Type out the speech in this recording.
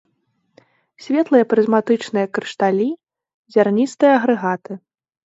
Светлыя прызматычныя крышталі, зярністыя агрэгаты.